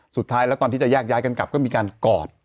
สุดท้ายแล้วตอนที่จะแยกย้ายกันกลับก็มีการกอด